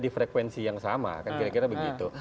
di frekuensi yang sama kan kira kira begitu